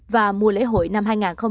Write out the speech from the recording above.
và mùa lễ hội năm hai nghìn hai mươi bốn